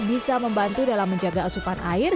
bisa membantu dalam menjaga asupan air